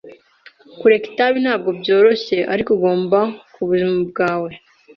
Kureka itabi ntabwo byoroshye, ariko ugomba kubuzima bwawe.